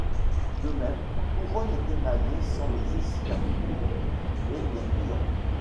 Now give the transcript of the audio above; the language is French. De même, la couronne est émaillée sans les escarboucles et les brillants.